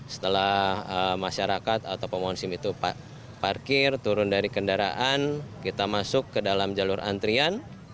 setelah masyarakat atau pemonsim itu parkir turun dari kendaraan kita masuk ke dalam jalur antrian